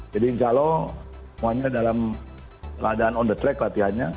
jadi insya allah semuanya dalam keadaan on the track latihannya